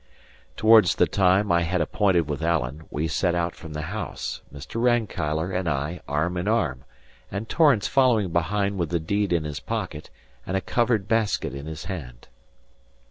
Towards the time I had appointed with Alan, we set out from the house, Mr. Rankeillor and I arm in arm, and Torrance following behind with the deed in his pocket and a covered basket in his hand.